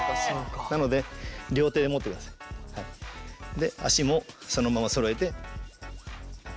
で足もそのままそろえて。